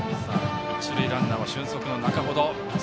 一塁ランナーは俊足の仲程。